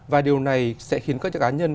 và điều này sẽ khiến các giác án nhân